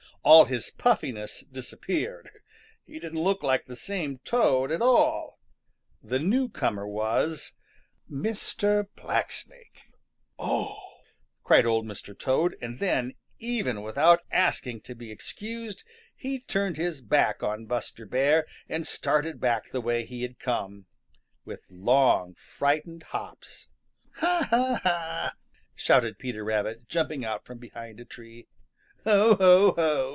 All his puffiness disappeared. He didn't look like the same Toad at all. The newcomer was Mr. Blacksnake. "Oh!" cried Old Mr. Toad, and then, without even asking to be excused, he turned his back on Buster Bear and started back the way he had come, with long, frightened hops. "Ha, ha, ha!" shouted Peter Rabbit, jumping out from behind a tree. "Ho, ho, ho!"